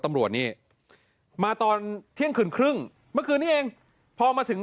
ตำรวจนี่มาตอนเที่ยงคืนครึ่งเมื่อคืนนี้เองพอมาถึง